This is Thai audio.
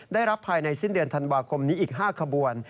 ได้รับภายในสิ้นเดือนธันวาคมนี้อีก๕ขบวน